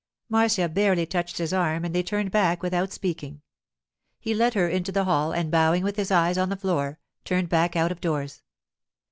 Marcia barely touched his arm, and they turned back without speaking. He led her into the hall, and bowing with his eyes on the floor, turned back out of doors.